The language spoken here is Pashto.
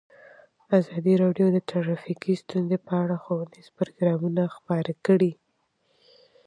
ازادي راډیو د ټرافیکي ستونزې په اړه ښوونیز پروګرامونه خپاره کړي.